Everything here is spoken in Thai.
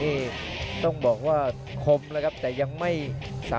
แล้วนี่ครับหน้าเน้นของมีคมครับ